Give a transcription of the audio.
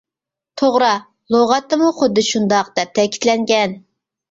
توغرا، لۇغەتتىمۇ خۇددى شۇنداق دەپ تەكىتلەنگەن.